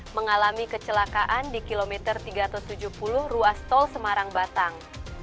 mengalami kecelakaan di kilometer tiga ratus tujuh puluh ruas tol semarang batang